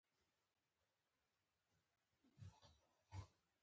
د افغانستان روټ مشهور دی